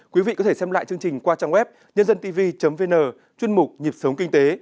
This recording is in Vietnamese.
quý vị có thể xem lại chương trình qua trang web nhândantv vn chuyên mục nhập sống kinh tế